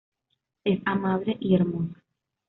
Es amable y hermosa.